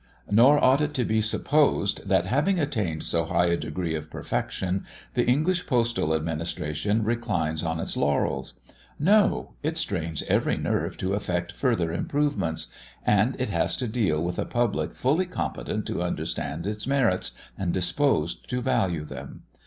Nor ought it to be supposed, that, having attained so high a degree of perfection, the English postal administration reclines on its laurels. No! it strains every nerve to effect further improvements; and it has to deal with a public fully competent to understand its merits, and disposed to value them.